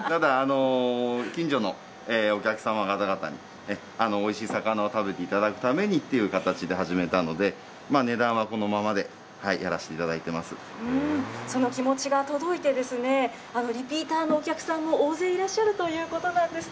ただ、近所のお客様の方々に、おいしい魚を食べていただくためにという形で始めたので、値段はこのままでやらせていただいていまその気持ちが届いて、リピーターのお客さんも大勢いらっしゃるということなんです。